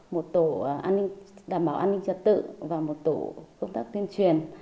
một tổ đảm bảo an ninh trật tự và một tổ công tác